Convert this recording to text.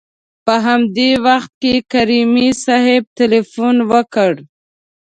په همدې وخت کې کریمي صیب تلېفون وکړ.